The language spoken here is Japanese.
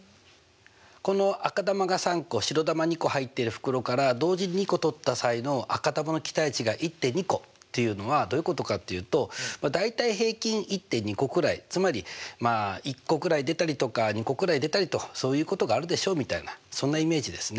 この赤球が３個白球２個入ってる袋から同時に２個取った際の赤球の期待値が１．２個っていうのはどういうことかっていうと大体平均１．２個くらいつまりまあ１個くらい出たりとか２個くらい出たりとそういうことがあるでしょうみたいなそんなイメージですね。